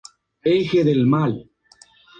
La ruta pasa por los condados de Merced y Mariposa.